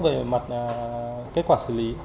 về mặt kết quả xử lý